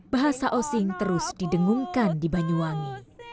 bahasa osing terus didengungkan di banyuwangi